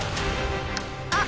あっ。